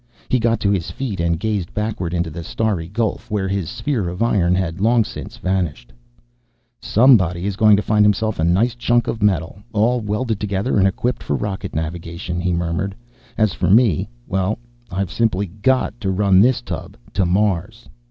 He got to his feet, and gazed backward into the starry gulf, where his sphere of iron had long since vanished. "Somebody is going to find himself a nice chunk of metal, all welded together and equipped for rocket navigation," he murmured. "As for me well, I've simply got to run this tub to Mars!"